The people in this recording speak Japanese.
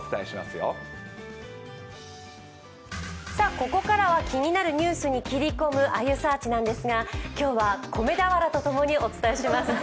ここからは気になるニュースに切り込む「あゆサーチ」なんですが今日は米俵とともにお伝えします。